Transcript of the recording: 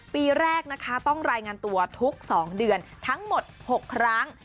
ปีแรกนะคะต้องรายงานตัวทุก๒เดือนทั้งหมด๖ครั้ง